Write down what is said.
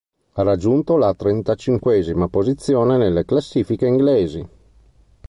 Ha raggiunto la trentacinquesima posizione nelle classifiche inglesi.